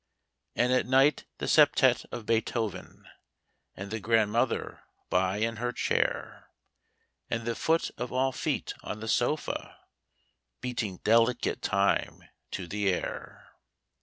And at night the septette of Beethoven, And the grandmother by in her chair, And the foot of all feet on the sofa Beating delicate time to the air.